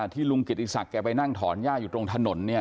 ที่ลุงกิจอีสักแกไปนั่งถอนย่าอยู่ตรงถนนเนี่ย